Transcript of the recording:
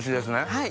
はい。